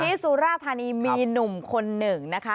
สุราธานีมีหนุ่มคนหนึ่งนะคะ